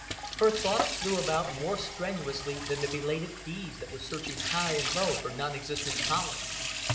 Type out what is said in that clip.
Her thoughts flew about more strenuously than the belated bees that were searching high and low for non existent pollen.